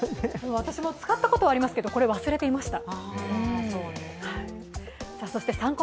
私も使ったことはありますけれどもこれは忘れていました。